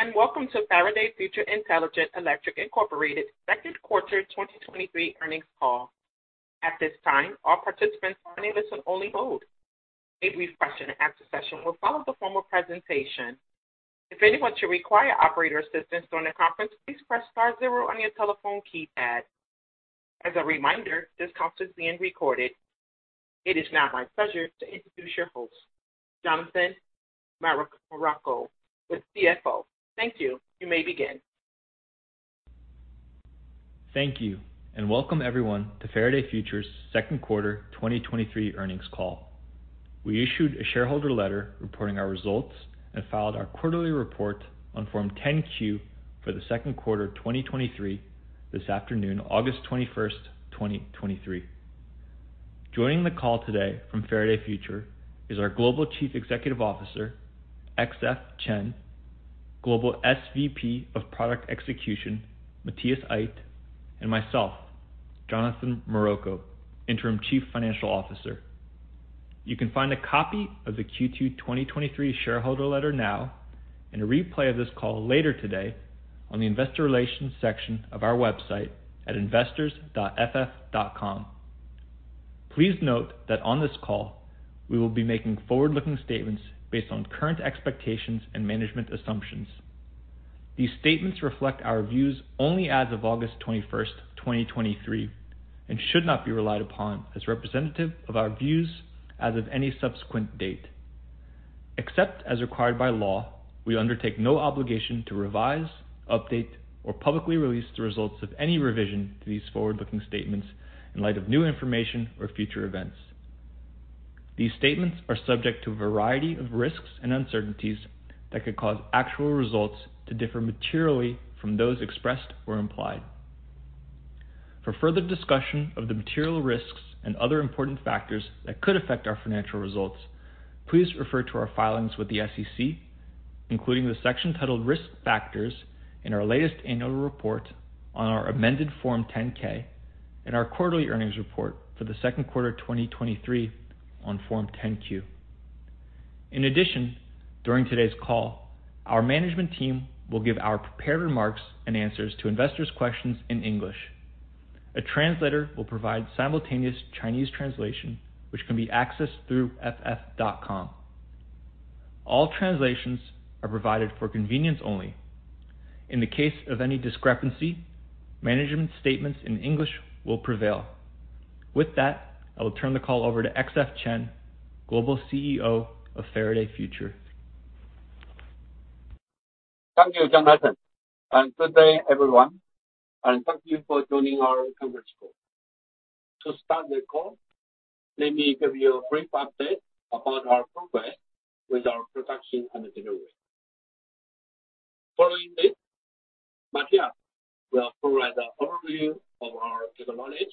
Good evening, and welcome to Faraday Future Intelligent Electric Inc. second quarter 2023 earnings call. At this time, all participants are in a listen-only mode. A question-and-answer session will follow the formal presentation. If anyone should require operator assistance during the conference, please press star zero on your telephone keypad. As a reminder, this call is being recorded. It is now my pleasure to introduce your host, Jonathan Maroko, with CFO. Thank you. You may begin. Thank you. Welcome everyone to Faraday Future's second quarter 2023 earnings call. We issued a shareholder letter reporting our results and filed our quarterly report on Form 10-Q for the second quarter of 2023 this afternoon, 21st August, 2023. Joining the call today from Faraday Future is our Global Chief Executive Officer, XF Chen, Global Senior Vice President of Product Execution, Matthias Aydt, and myself, Jonathan Maroko, Interim Chief Financial Officer. You can find a copy of the Q2 2023 shareholder letter now, and a replay of this call later today on the investor relations section of our website at investors.ff.com. Please note that on this call, we will be making forward-looking statements based on current expectations and management assumptions. These statements reflect our views only as of 21st August 2023, and should not be relied upon as representative of our views as of any subsequent date. Except as required by law, we undertake no obligation to revise, update, or publicly release the results of any revision to these forward-looking statements in light of new information or future events. These statements are subject to a variety of risks and uncertainties that could cause actual results to differ materially from those expressed or implied. For further discussion of the material risks and other important factors that could affect our financial results, please refer to our filings with the SEC, including the section titled Risk Factors in our latest annual report on our amended Form 10-K and our quarterly earnings report for the second quarter of 2023 on Form 10-Q. In addition, during today's call, our management team will give our prepared remarks and answers to investors' questions in English. A translator will provide simultaneous Chinese translation, which can be accessed through ff.com. All translations are provided for convenience only. In the case of any discrepancy, management statements in English will prevail. With that, I will turn the call over to XF Chen, Global CEO of Faraday Future. Thank you, Jonathan, and good day, everyone, and thank you for joining our conference call. To start the call, let me give you a brief update about our progress with our production and delivery. Following this, Matthias will provide an overview of our technology,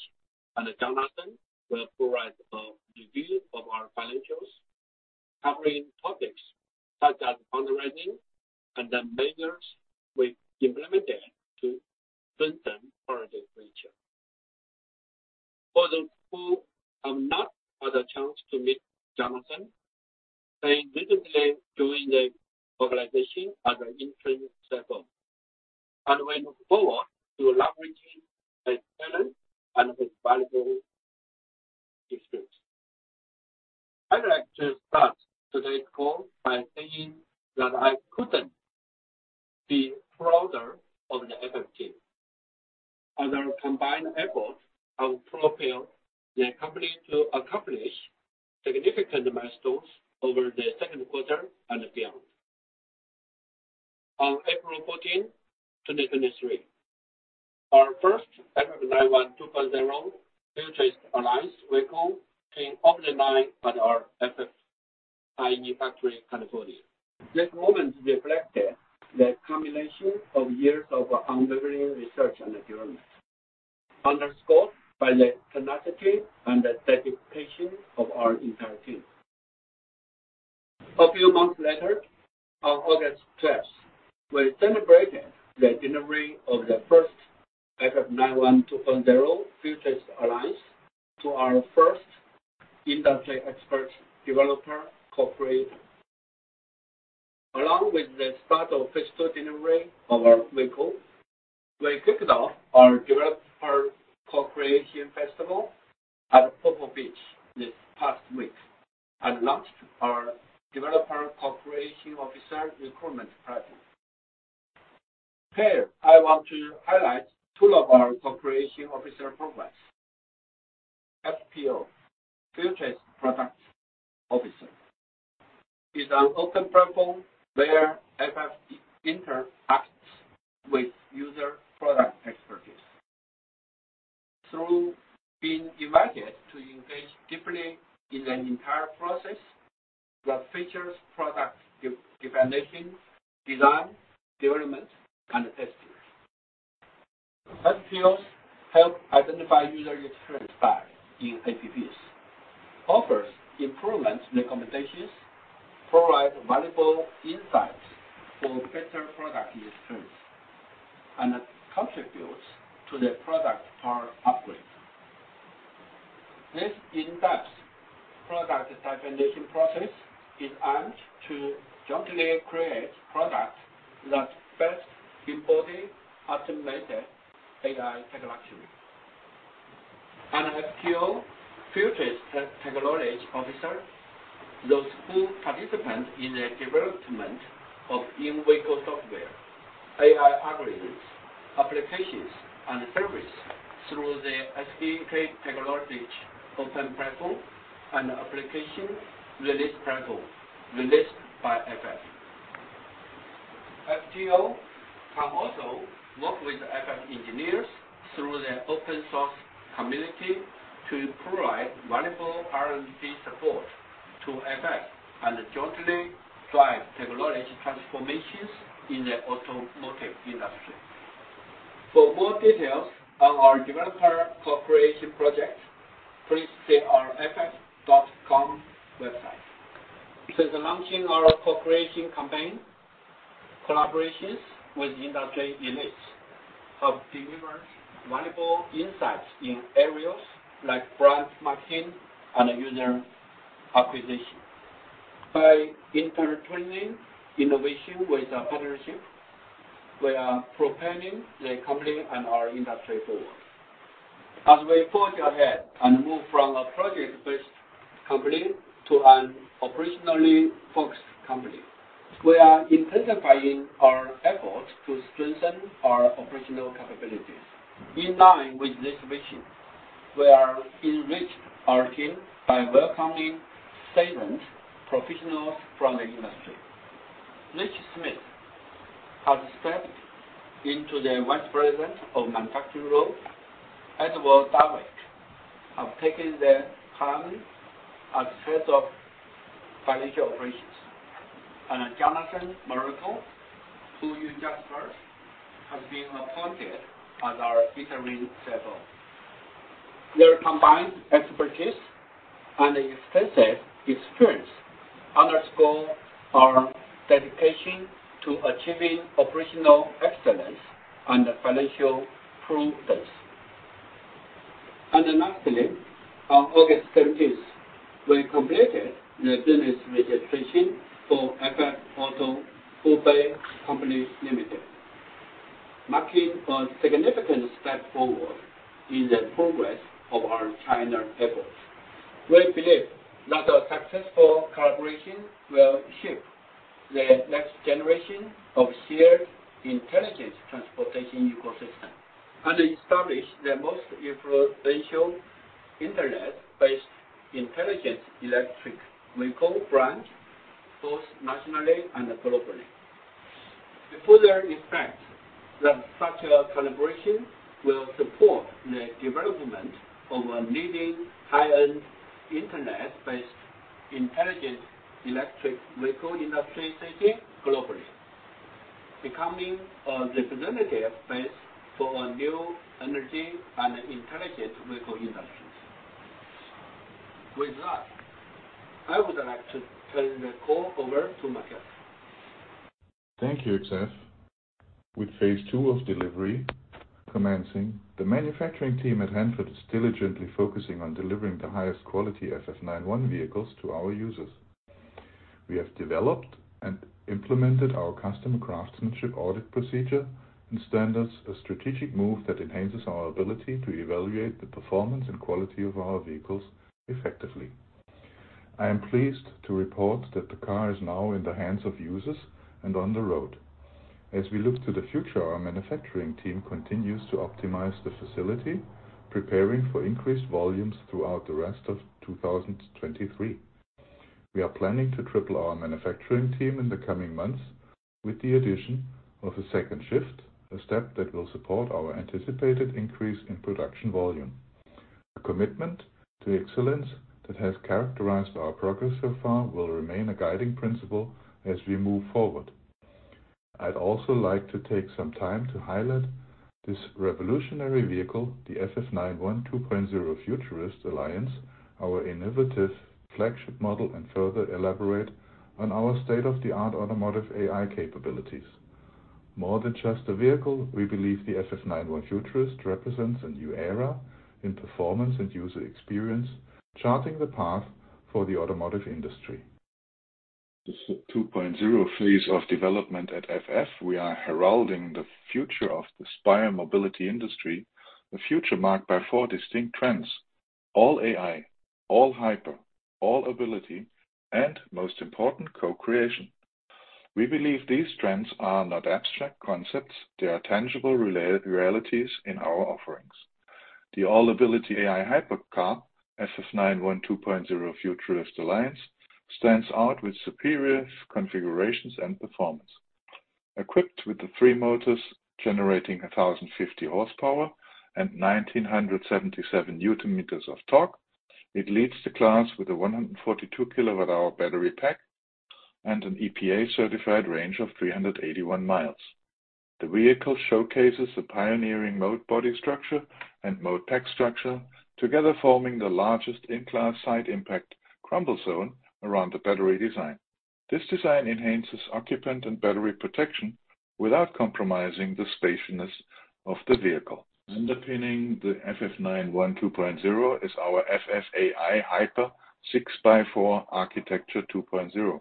and Jonathan will provide a review of our financials, covering topics such as fundraising and the measures we implemented to strengthen Faraday Future. For those who have not had a chance to meet Jonathan, he recently joined the organization as an Interim CFO, and we look forward FPOs help identify user experience gaps in apps, offers improvement recommendations, provide valuable insights for better product experience, and contributes to the product power upgrade. This in-depth product definition process is aimed to jointly create products that best embody automated AI technology. An FTO, Futurist Technology Officer, those who participate in the development of in-vehicle software, AI algorithms, applications, and service through the SDK technology open platform and Application Release Platform released by FF. FTO can also work with FF engineers through the open source community to provide valuable R&D support to FF and jointly drive technology transformations in the automotive industry. For more details on our developer cooperation project, please see our ff.com website. Since launching our cooperation campaign, collaborations with industry elites have delivered valuable insights in areas like brand marketing and user acquisition. By intertwining innovation with our partnership, we are propelling the company and our industry forward. As we forge ahead and move from a project-based company to an operationally focused company, we are intensifying our efforts to strengthen our operational capabilities. In line with this vision, we are enriching our team by welcoming seasoned professionals from the industry. Rich Smith has stepped into the Vice President of Manufacturing role. Edward Dawick have taken the time as Head of Financial Operations, and Jonathan Maroko, who you just heard, has been appointed as ourInterim Chief Financial Officer. Their combined expertise and extensive experience underscore our dedication to achieving operational excellence and financial prudence. Lastly, on 13th August, we completed the business registration for FF Auto Hubei Company Limited, marking a significant step forward in the progress of our China efforts. We believe that our successful collaboration will shape the next generation of shared intelligent transportation ecosystem and establish the most influential internet-based intelligent electric vehicle brand, both nationally and globally. We further expect that such a collaboration will support the development of a leading high-end internet-based intelligent electric vehicle industry city globally, becoming a representative base for new energy and intelligent vehicle industries. With that, I would like to turn the call over to Mike Wirth. Thank you, Xuefeng. With phase two of delivery commencing, the manufacturing team at Hanford is diligently focusing on delivering the highest quality FF 91 vehicles to our users. We have developed and implemented our customer craftsmanship audit procedure and standards, a strategic move that enhances our ability to evaluate the performance and quality of our vehicles effectively. I am pleased to report that the car is now in the hands of users and on the road. As we look to the future, our manufacturing team continues to optimize the facility, preparing for increased volumes throughout the rest of 2023. We are planning to triple our manufacturing team in the coming months with the addition of a second shift, a step that will support our anticipated increase in production volume. A commitment to excellence that has characterized our progress so far will remain a guiding principle as we move forward. I'd also like to take some time to highlight this revolutionary vehicle, the FF 91 2.0 Futurist Alliance, our innovative flagship model, and further elaborate on our state-of-the-art automotive AI capabilities. More than just a vehicle, we believe the FF 91 Futurist represents a new era in performance and user experience, charting the path for the automotive industry. The 2.0 phase of development at FF, we are heralding the future of the spire mobility industry, a future marked by 4 distinct trends: all AI, all hyper, all ability, and most important, co-creation. We believe these trends are not abstract concepts, they are tangible realities in our offerings. The all-ability AI hypercar, FF 91 2.0 Futurist Alliance, stands out with superior configurations and performance. Equipped with the three motors generating 1,050 horsepower and 1,977 newton meters of torque, it leads the class with a 142KWh battery pack and an EPA-certified range of 381 miles. The vehicle showcases a pioneering moat body structure and moat pack structure, together forming the largest in-class side impact crumble zone around the battery design. This design enhances occupant and battery protection without compromising the spaciousness of the vehicle. Underpinning the FF 91 2.0 is our FF aiHyper 6x4 Architecture 2.0.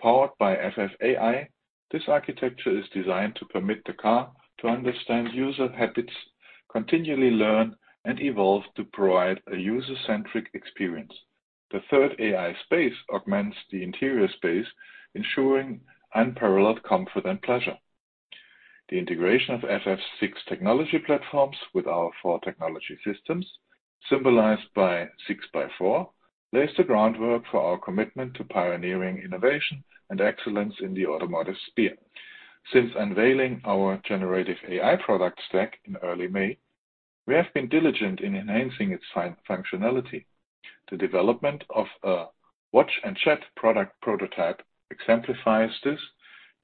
Powered by FF AI, this architecture is designed to permit the car to understand user habits, continually learn and evolve to provide a user-centric experience. The Third AI Space augments the interior space, ensuring unparalleled comfort and pleasure. The integration of FF 6 technology platforms with our four technology systems, symbolized by 6x4, lays the groundwork for our commitment to pioneering innovation and excellence in the automotive sphere. Since unveiling our Generative AI Product Stack in early May, we have been diligent in enhancing its fine functionality. The development of a watch and chat product prototype exemplifies this,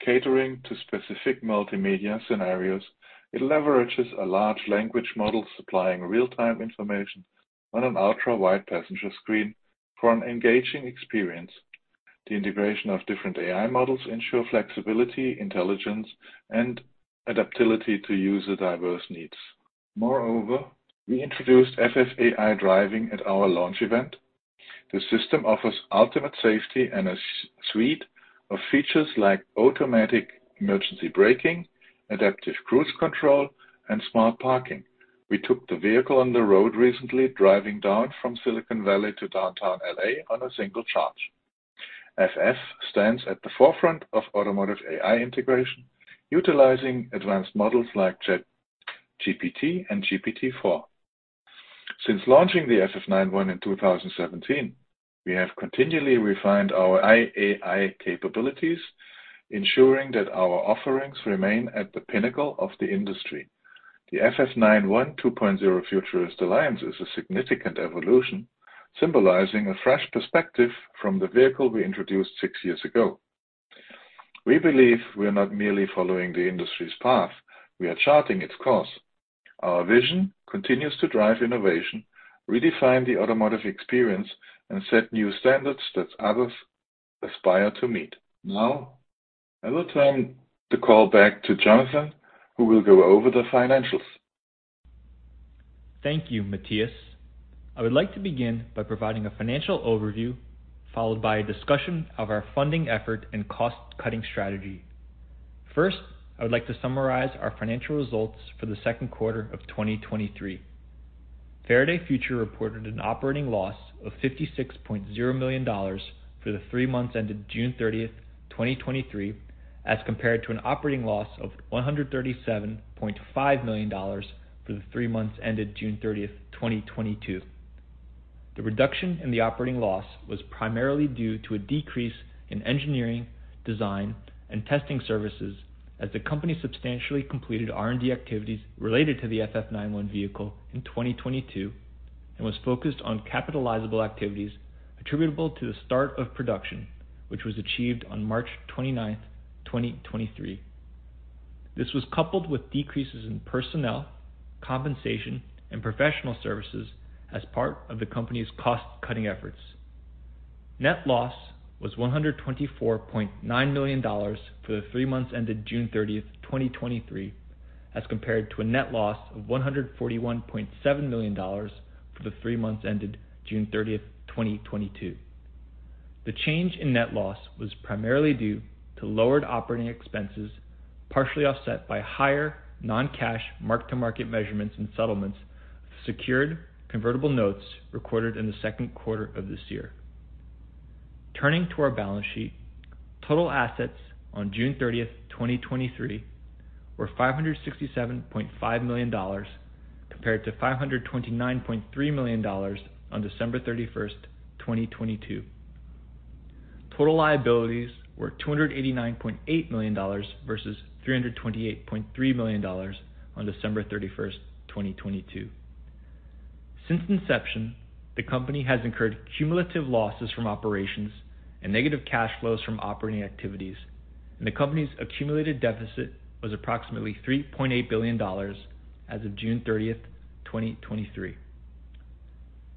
catering to specific multimedia scenarios. It leverages a large language model, supplying real-time information on an ultra-wide passenger screen for an engaging experience. The integration of different AI models ensure flexibility, intelligence, and adaptability to user diverse needs. Moreover, we introduced FF aiDriving at our launch event. The system offers ultimate safety and a suite of features like automatic emergency braking, adaptive cruise control, and smart parking. We took the vehicle on the road recently, driving down from Silicon Valley to downtown L.A. on a single charge. FF stands at the forefront of automotive AI integration, utilizing advanced models like ChatGPT, GPT, and GPT-4. Since launching the FF 91 in 2017, we have continually refined our IAI capabilities, ensuring that our offerings remain at the pinnacle of the industry. The FF 91 2.0 Futurist Alliance is a significant evolution, symbolizing a fresh perspective from the vehicle we introduced six years ago. We believe we are not merely following the industry's path, we are charting its course. Our vision continues to drive innovation, redefine the automotive experience, and set new standards that others aspire to meet. Now, I will turn the call back to Jonathan, who will go over the financials. Thank you, Matthias. I would like to begin by providing a financial overview, followed by a discussion of our funding effort and cost-cutting strategy. First, I would like to summarize our financial results for the 2Q 2023. Faraday Future reported an operating loss of $56.0 million for the three months ended June 30, 2023, as compared to an operating loss of $137.5 million for the three months ended 30thJune 2022. The reduction in the operating loss was primarily due to a decrease in engineering, design, and testing services, as the company substantially completed R&D activities related to the FF 91 vehicle in 2022, and was focused on capitalizable activities attributable to the start of production, which was achieved on 29th March, 2023. This was coupled with decreases in personnel, compensation, and professional services as part of the company's cost-cutting efforts. Net loss was $124.9 million for the three months ended 30th June 2023, as compared to a net loss of $141.7 million for the three months ended June 30th, 2022. The change in net loss was primarily due to lowered operating expenses, partially offset by higher non-cash mark-to-market measurements and settlements of secured convertible notes recorded in the second quarter of this year. Turning to our balance sheet, total assets on 30th June, 2023, were $567.5 million, compared to $529.3 million on 31st December, 2022. Total liabilities were $289.8 million versus $328.3 million on 31st December 2022. Since inception, the company has incurred cumulative losses from operations and negative cash flows from operating activities, and the company's accumulated deficit was approximately $3.8 billion as of 30thJune 2023.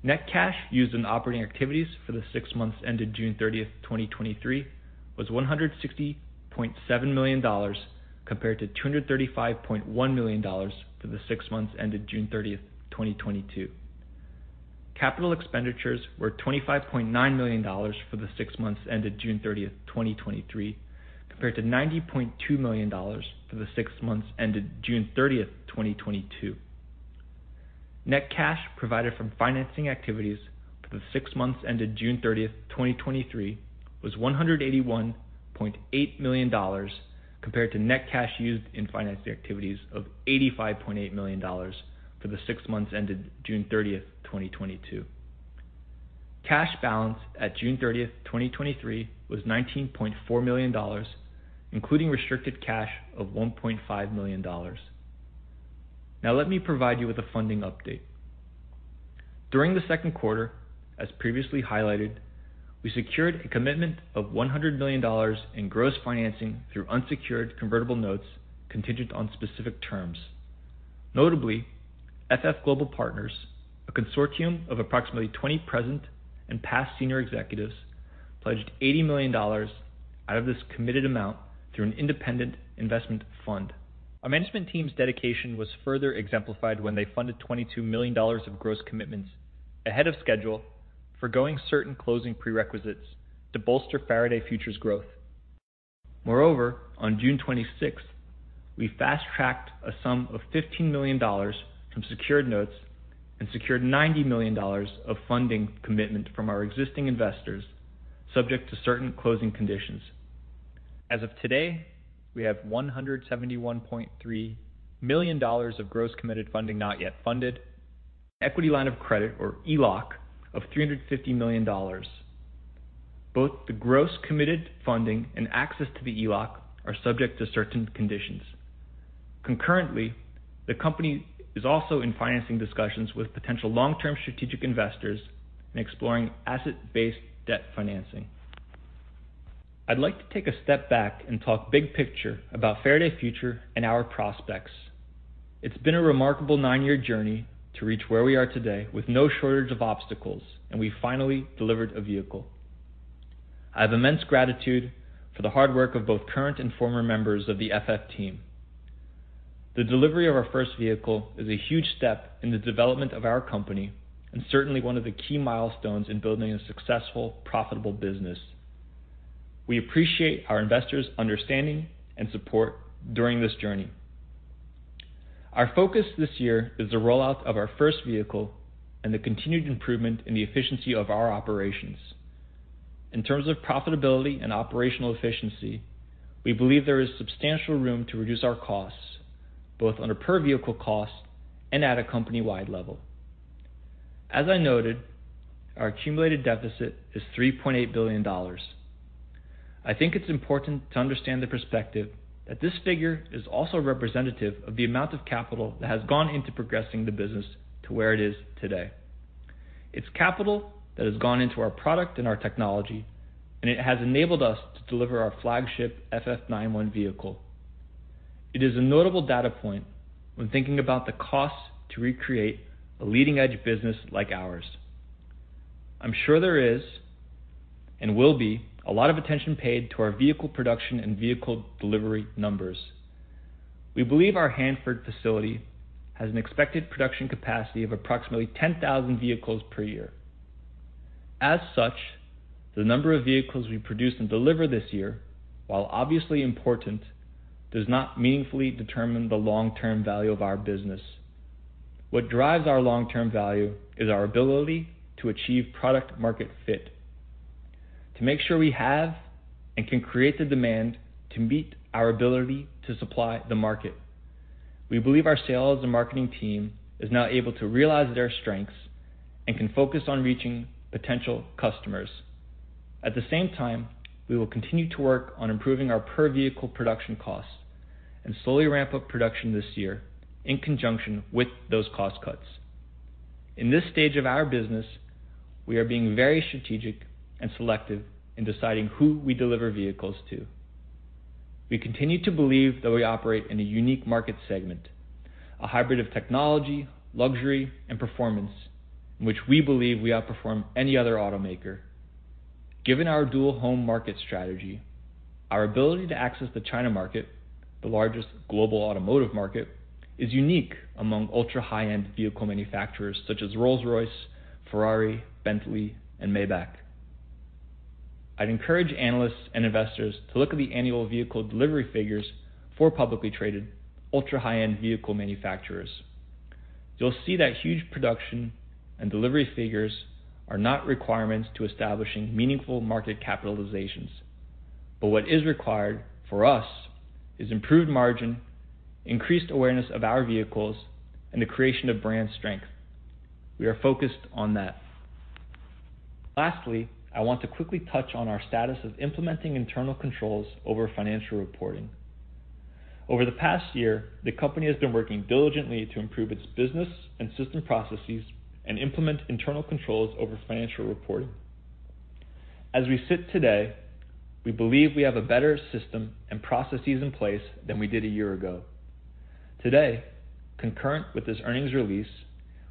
Net cash used in operating activities for the six months ended June 30, 2023, was $160.7 million compared to $235.1 million for the six months ended 30th June 2022. Capital expenditures were $25.9 million for the six months ended 30th June 2023, compared to $90.2 million for the six months ended June 30, 2022. Net cash provided from financing activities for the six months ended 30th June, 2023, was $181.8 million, compared to net cash used in financing activities of $85.8 million for the six months ended 30th June 2022. Cash balance at 30th June 2023, was $19.4 million, including restricted cash of $1.5 million. Now, let me provide you with a funding update. During the second quarter, as previously highlighted, we secured a commitment of $100 million in gross financing through unsecured convertible notes, contingent on specific terms. Notably, FF Global Partners, a consortium of approximately 20 present and past senior executives, pledged $80 million out of this committed amount through an independent investment fund. Our management team's dedication was further exemplified when they funded $22 million of gross commitments ahead of schedule, forgoing certain closing prerequisites to bolster Faraday Future's growth. Moreover, on June twenty-sixth, we fast-tracked a sum of $15 million from secured notes and secured $90 million of funding commitment from our existing investors, subject to certain closing conditions. As of today, we have $171.3 million of gross committed funding not yet funded, equity line of credit or ELOC of $350 million. Both the gross committed funding and access to the ELOC are subject to certain conditions. Concurrently, the company is also in financing discussions with potential long-term strategic investors and exploring asset-based debt financing. I'd like to take a step back and talk big picture about Faraday Future and our prospects. It's been a remarkable nine year journey to reach where we are today with no shortage of obstacles. We finally delivered a vehicle. I have immense gratitude for the hard work of both current and former members of the FF team. The delivery of our first vehicle is a huge step in the development of our company and certainly one of the key milestones in building a successful, profitable business. We appreciate our investors' understanding and support during this journey. Our focus this year is the rollout of our first vehicle and the continued improvement in the efficiency of our operations. In terms of profitability and operational efficiency, we believe there is substantial room to reduce our costs, both on a per-vehicle cost and at a company-wide level. As I noted, our accumulated deficit is $3.8 billion. I think it's important to understand the perspective that this figure is also representative of the amount of capital that has gone into progressing the business to where it is today. It's capital that has gone into our product and our technology, and it has enabled us to deliver our flagship FF 91 vehicle. It is a notable data point when thinking about the costs to recreate a leading-edge business like ours. I'm sure there is, and will be, a lot of attention paid to our vehicle production and vehicle delivery numbers. We believe our Hanford facility has an expected production capacity of approximately 10,000 vehicles per year. As such, the number of vehicles we produce and deliver this year, while obviously important, does not meaningfully determine the long-term value of our business. What drives our long-term value is our ability to achieve product-market fit, to make sure we have and can create the demand to meet our ability to supply the market. We believe our sales and marketing team is now able to realize their strengths and can focus on reaching potential customers. At the same time, we will continue to work on improving our per-vehicle production costs and slowly ramp up production this year in conjunction with those cost cuts. In this stage of our business, we are being very strategic and selective in deciding who we deliver vehicles to. We continue to believe that we operate in a unique market segment, a hybrid of technology, luxury, and performance, in which we believe we outperform any other automaker. Given our dual home market strategy, our ability to access the China market, the largest global automotive market, is unique among ultra-high-end vehicle manufacturers such as Rolls-Royce, Ferrari, Bentley, and Maybach. I'd encourage analysts and investors to look at the annual vehicle delivery figures for publicly traded ultra-high-end vehicle manufacturers. You'll see that huge production and delivery figures are not requirements to establishing meaningful market capitalizations, but what is required for us is improved margin, increased awareness of our vehicles, and the creation of brand strength. We are focused on that. Lastly, I want to quickly touch on our status of implementing internal controls over financial reporting. Over the past year, the company has been working diligently to improve its business and system processes and implement internal controls over financial reporting. As we sit today, we believe we have a better system and processes in place than we did a year ago. Today, concurrent with this earnings release,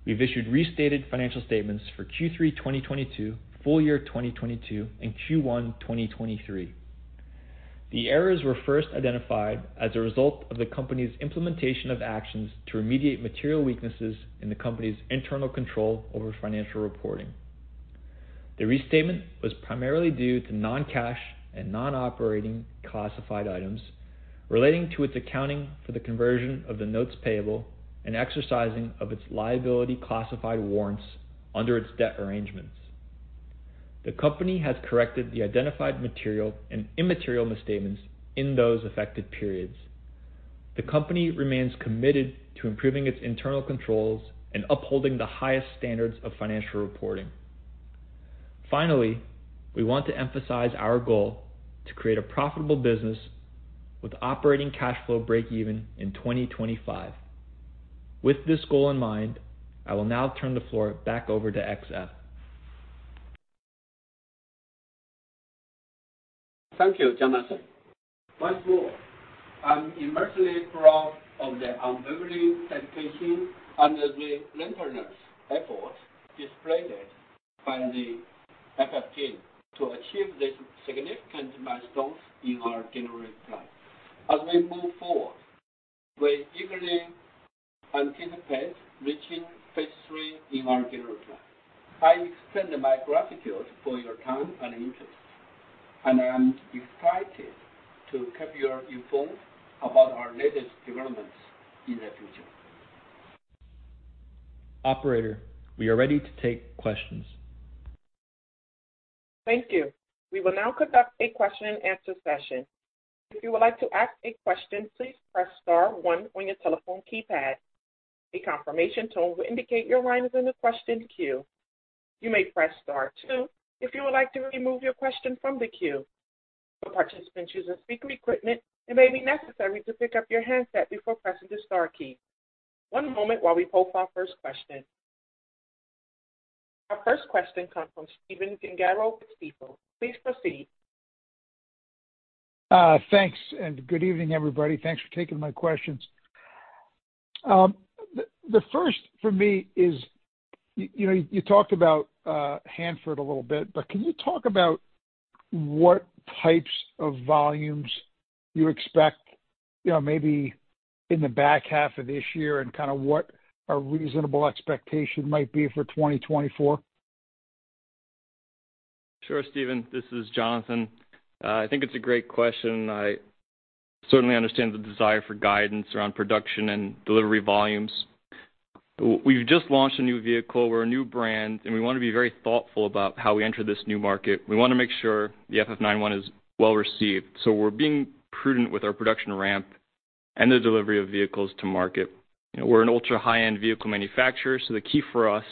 we've issued restated financial statements for Q3 2022, full year 2022, and Q1 2023. The errors were first identified as a result of the company's implementation of actions to remediate material weaknesses in the company's internal control over financial reporting. The restatement was primarily due to non-cash and non-operating classified items relating to its accounting for the conversion of the notes payable and exercising of its liability-classified warrants under its debt arrangements. The company has corrected the identified material and immaterial misstatements in those affected periods. The company remains committed to improving its internal controls and upholding the highest standards of financial reporting. Finally, we want to emphasize our goal to create a profitable business with operating cash flow breakeven in 2025. With this goal in mind, I will now turn the floor back over to XF. Thank you, Jonathan. Once more, I'm immensely proud of the unwavering dedication and the relentless effort displayed by the FF team to achieve this significant milestone in our general plan. We move forward, we eagerly anticipate reaching phase three in our general plan. I extend my gratitude for your time and interest, I am excited to keep you informed about our latest developments in the future. Operator, we are ready to take questions. Thank you. We will now conduct a question and answer session. If you would like to ask a question, please press star one on your telephone keypad. A confirmation tone will indicate your line is in the question queue. You may press star two if you would like to remove your question from the queue. For participants using speaker equipment, it may be necessary to pick up your handset before pressing the star key. One moment while we pull our first question. Our first question comes from Stephen Dingaro with Stifel. Please proceed. Thanks, and good evening, everybody. Thanks for taking my questions. The, the first for me is, you, you know, you talked about, Hanford a little bit, but can you talk about what types of volumes you expect, you know, maybe in the back half of this year and kind of what a reasonable expectation might be for 2024? Sure, Steven. This is Jonathan. I think it's a great question. I certainly understand the desire for guidance around production and delivery volumes. We've just launched a new vehicle. We're a new brand. We want to be very thoughtful about how we enter this new market. We wanna make sure the FF 91 is well received. We're being prudent with our production ramp and the delivery of vehicles to market. You know, we're an ultra high-end vehicle manufacturer, so the key for us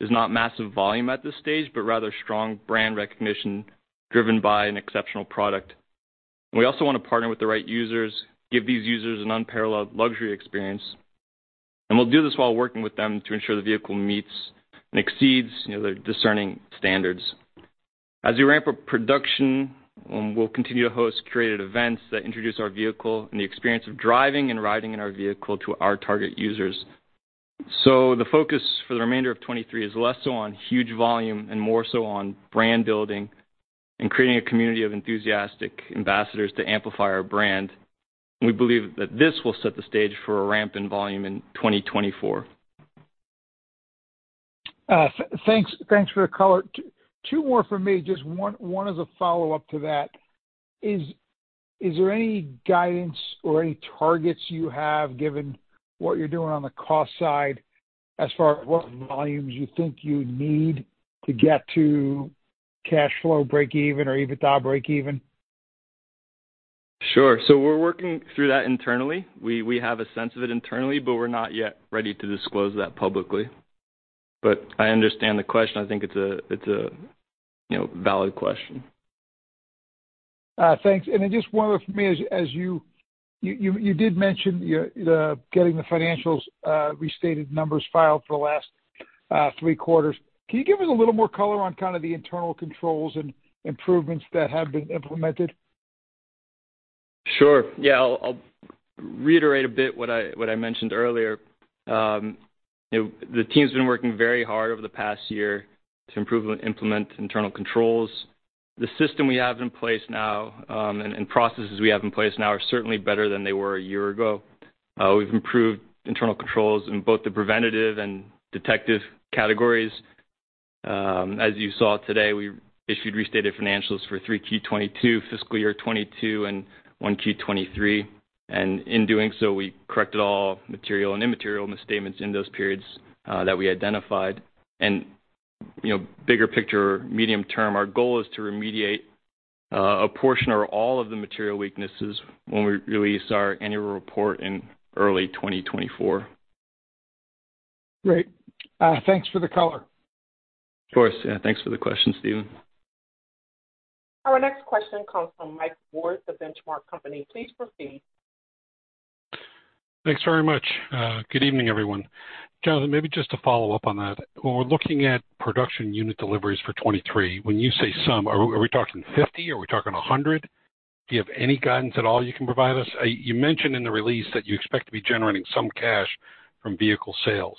is not massive volume at this stage, but rather strong brand recognition driven by an exceptional product. We also want to partner with the right users, give these users an unparalleled luxury experience. We'll do this while working with them to ensure the vehicle meets and exceeds, you know, their discerning standards. As we ramp up production, we'll continue to host curated events that introduce our vehicle and the experience of driving and riding in our vehicle to our target users. The focus for the remainder of 2023 is less so on huge volume and more so on brand building and creating a community of enthusiastic ambassadors to amplify our brand. We believe that this will set the stage for a ramp in volume in 2024. thanks, thanks for the color. two more from me. Just one, one as a follow-up to that. Is, is there any guidance or any targets you have, given what you're doing on the cost side, as far as what volumes you think you'd need to get to cash flow breakeven or EBITDA breakeven? Sure. We're working through that internally. We have a sense of it internally, but we're not yet ready to disclose that publicly. I understand the question. I think it's a, you know, valid question. Thanks. Just one more for me. As you did mention your, the getting the financials, restated numbers filed for the last, three quarters. Can you give us a little more color on kind of the internal controls and improvements that have been implemented? Sure. Yeah. I'll, I'll reiterate a bit what I, what I mentioned earlier. You know, the team's been working very hard over the past year to improve and implement internal controls. The system we have in place now, and processes we have in place now are certainly better than they were a year ago. We've improved internal controls in both the preventative and detective categories. As you saw today, we issued restated financials for 3Q 2022, fiscal year 2022, and 1Q 2023, and in doing so, we corrected all material and immaterial misstatements in those periods that we identified. You know, bigger picture, medium term, our goal is to remediate a portion or all of the material weaknesses when we release our annual report in early 2024. Great. Thanks for the color. Of course. Yeah, thanks for the question, Steven. Our next question comes from Mike Wirth, The Benchmark Company. Please proceed. Thanks very much. Good evening, everyone. Jonathan, maybe just to follow up on that, when we're looking at production unit deliveries for 2023, when you say some, are we, are we talking 50? Are we talking 100? Do you have any guidance at all you can provide us? You mentioned in the release that you expect to be generating some cash from vehicle sales.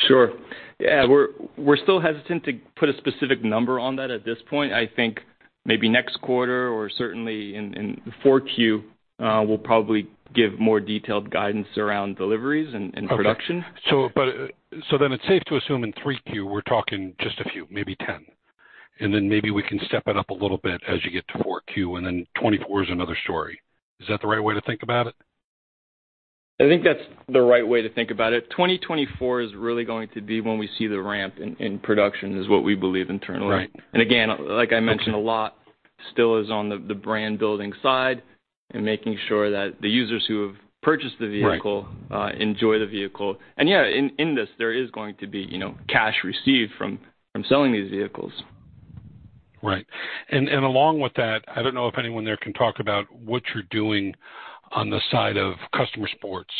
Sure. Yeah, we're, we're still hesitant to put a specific number on that at this point. I think maybe next quarter or certainly in, in the 4Q, we'll probably give more detailed guidance around deliveries and, and production. Okay. Then it's safe to assume in three Q, we're talking just a few, maybe 10, and then maybe we can step it up a little bit as you get to four Q, and then 2024 is another story. Is that the right way to think about it? I think that's the right way to think about it. 2024 is really going to be when we see the ramp in, in production, is what we believe internally. Right. Again, like I mentioned, a lot. Okay still is on the, the brand building side and making sure that the users who have purchased the vehicle- Right... enjoy the vehicle. Yeah, in, in this, there is going to be, you know, cash received from, from selling these vehicles. Right. Along with that, I don't know if anyone there can talk about what you're doing on the side of customer sports,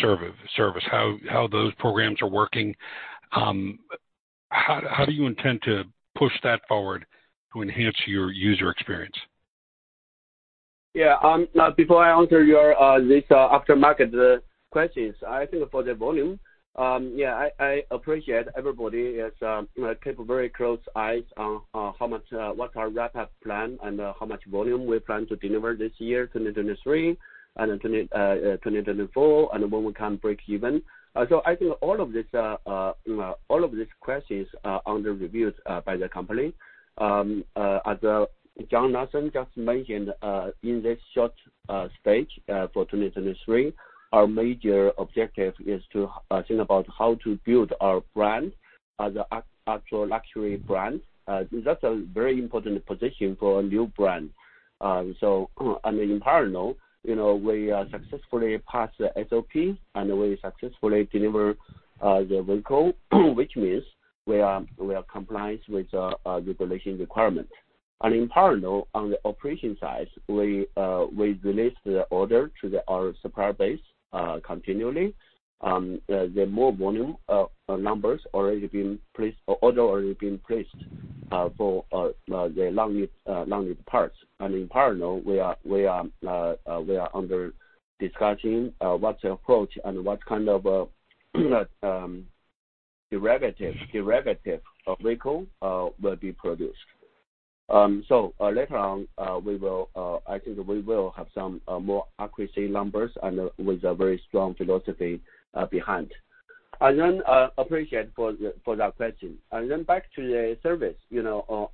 service, service, how, how those programs are working, how, how do you intend to push that forward to enhance your user experience? Yeah, now, before I answer your this aftermarket questions, I think for the volume, yeah, I, I appreciate everybody is keep a very close eyes on, on how much, what our rapid plan and how much volume we plan to deliver this year, 2023, and then 2024, and when we can break even. I think all of these, all of these questions are under reviews by the company. As John Lawson just mentioned, in this short stage, for 2023, our major objective is to think about how to build our brand as a actual luxury brand. That's a very important position for a new brand. In parallel, you know, we successfully passed the SOP, and we successfully deliver the vehicle, which means we are, we are compliance with regulation requirement. In parallel, on the operation side, we release the order to the, our supplier base continually. The, the more volume numbers already been placed, or order already been placed for the long-lead long-lead parts. In parallel, we are, we are, we are under discussing what's the approach and what kind of derivative, derivative of vehicle will be produced. Later on, we will, I think we will have some more accuracy numbers and with a very strong philosophy behind. Appreciate for the, for that question. e. You know,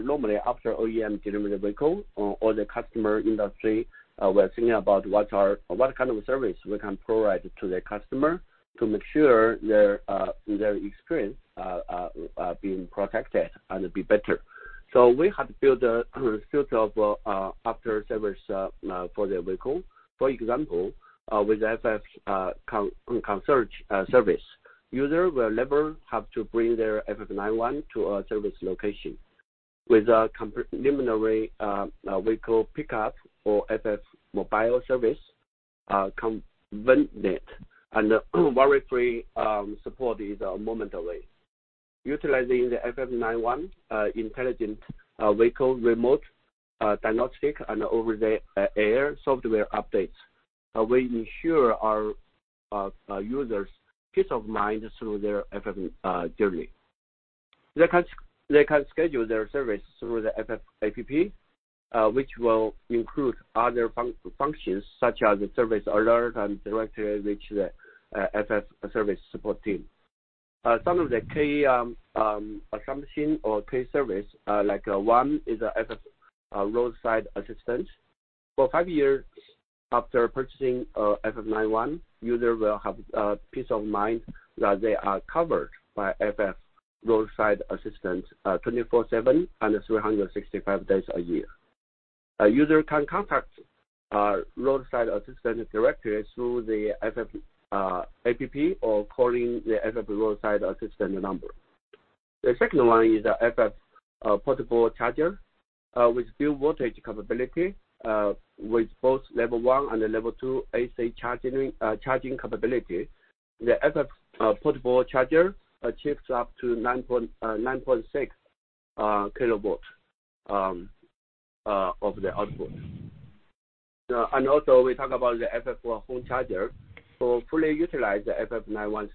normally after OEM deliver the vehicle, all the customer industry, we're thinking about what kind of service we can provide to the customer to make sure their experience is being protected and be better. So we have built a suite of after-service for the vehicle. For example, with FF concierge service, users will never have to bring their FF 91 to a service location. With a preliminary vehicle pickup or FF mobile service, convenient and worry-free support is momentarily. Utilizing the FF 91 intelligent vehicle remote diagnostic and Over-the-Air software updates, we ensure our users' peace of mind through their FF journey. They can schedule their service through the FF app, which will include other functions, such as the service alert and directly reach the FF service support team. Some of the key assumption or key service, like, one is a FF roadside assistance. For five years after purchasing a FF 91, user will have peace of mind that they are covered by FF roadside assistance, 24/7, and 365 days a year. A user can contact our roadside assistance directly through the FF app or calling the FF roadside assistance number. The second one is a FF portable charger, with dual voltage capability, with both level one and level two AC charging capability. The FF portable charger achieves up to 9.6 kW of the output. And also we talk about the FF home charger. To fully utilize the FF 91's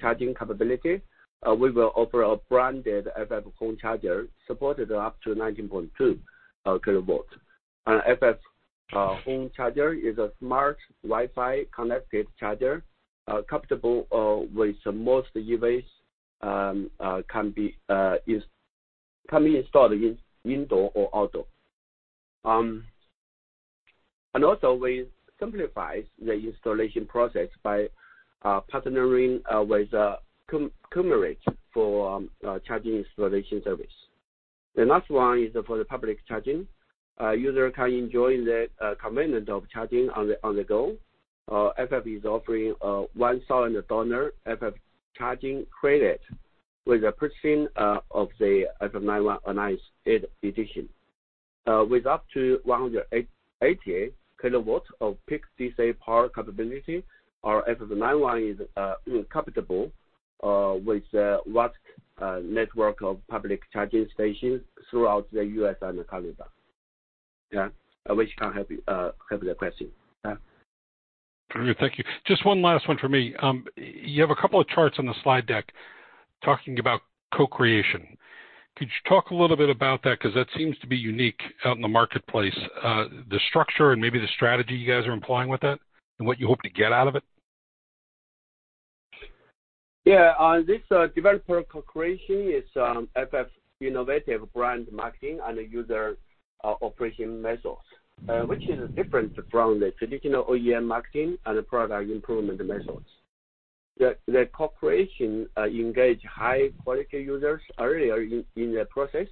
charging capability, we will offer a branded FF home charger, supported up to 19.2 kW. An FF home charger is a smart, Wi-Fi-connected charger, compatible with most EVs, can be installed in indoor or outdoor. And also we simplifies the installation process by partnering with Cumulus for charging installation service. The last one is for the public charging. User can enjoy the convenience of charging on the go. FF is offering a $1,000 FF charging credit with the purchasing of the FF 91 enhanced edition. With up to 188 kilowatts of peak DC power capability, our FF 91 is compatible with a vast network of public charging stations throughout the U.S. and Canada. Which can help you help the question. Thank you. Just one last one for me. You have a couple of charts on the slide deck talking about co-creation. Could you talk a little bit about that? Because that seems to be unique out in the marketplace, the structure and maybe the strategy you guys are employing with that and what you hope to get out of it. Yeah, this developer co-creation is FF innovative brand marketing and user operation methods, which is different from the traditional OEM marketing and product improvement methods. The co-creation engage high-quality users earlier in the process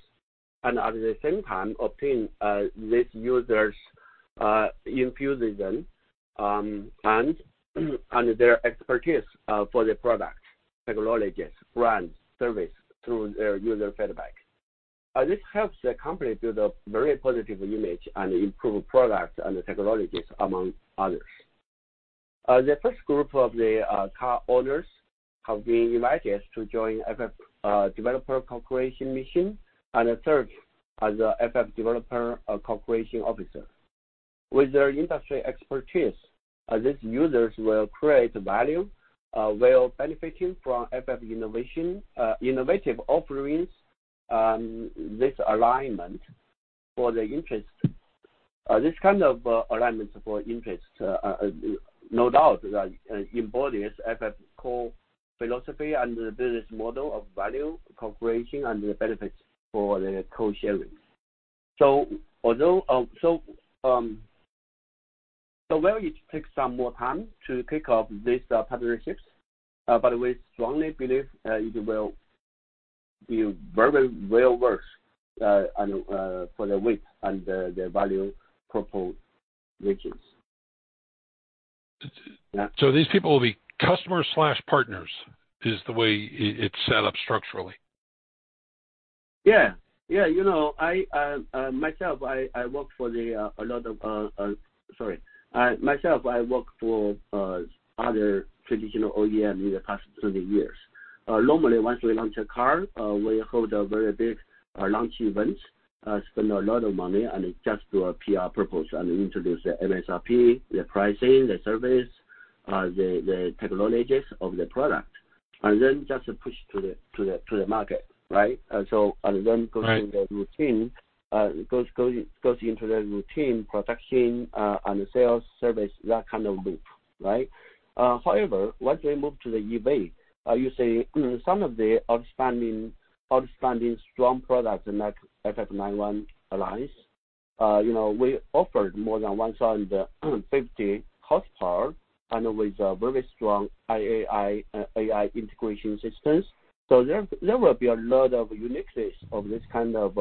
and at the same time obtain these users' enthusiasm and their expertise for the product, technologies, brands, service through their user feedback. This helps the company build a very positive image and improve products and technologies, among others. The first group of the car owners have been invited to join FF developer co-creation mission, and they serve as a FF developer co-creation officer. With their industry expertise, these users will create value while benefiting from FF innovation, innovative offerings. This alignment for the interest, this kind of alignment for interest, no doubt that embodies FF's core philosophy and the business model of value, co-creation, and the benefits for the co-sharing. While it takes some more time to kick off these partnerships, we strongly believe it will be very well worth, and for the width and the value proposed reaches. Yeah. These people will be customer/partners, is the way it's set up structurally? Yeah. Yeah, you know, I myself, I worked for the a lot of... Sorry. Myself, I worked for other traditional OEM in the past 20 years. Normally, once we launch a car, we hold a very big launch event, spend a lot of money, and it's just to a PR purpose and introduce the MSRP, the pricing, the service, the technologies of the product, and then just push to the, to the, to the market, right? And then- Right. Go through the routine, goes, goes, goes into the routine production, and sales, service, that kind of loop, right? However, once we move to the EV, you see, some of the outstanding, outstanding strong products like FF 91 Alliance, you know, we offered more than 150 horsepower and with a very strong IAI, AI integration systems. There, there will be a lot of uniqueness of this kind of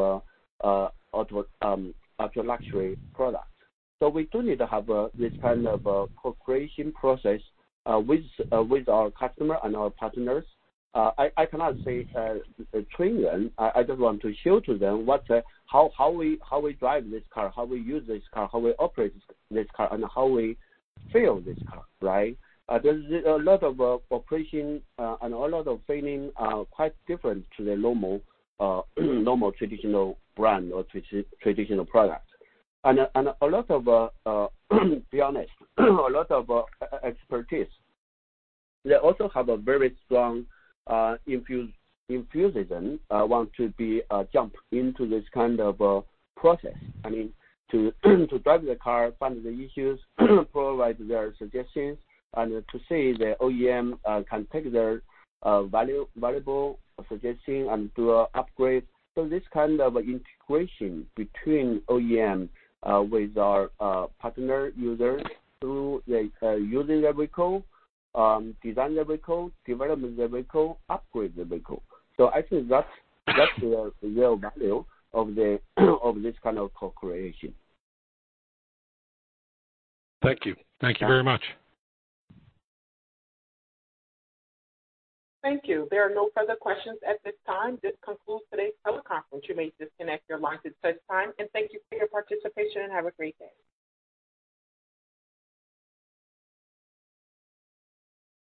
auto auto luxury product. We do need to have this kind of co-creation process with with our customer and our partners. I, I cannot say train them. I just want to show to them what, how, how we, how we drive this car, how we use this car, how we operate this car, and how we sell this car, right? There's a lot of operation and a lot of feeling quite different to the normal, normal traditional brand or traditional product. And a lot of, be honest, a lot of expertise. They also have a very strong enthusiasm, want to be jump into this kind of process. I mean, to drive the car, find the issues, provide their suggestions, and to see the OEM can take their valuable suggestion and do a upgrade. This kind of integration between OEM with our partner users through the using the vehicle, design the vehicle, develop the vehicle, upgrade the vehicle. I think that's the real value of this kind of co-creation. Thank you. Thank you very much. Thank you. There are no further questions at this time. This concludes today's teleconference. You may disconnect your lines at this time, and thank you for your participation, and have a great day.